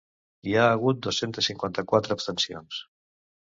Hi ha hagut dues-centes cinquanta-quatre abstencions.